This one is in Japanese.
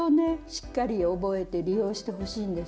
しっかり覚えて利用してほしいんです。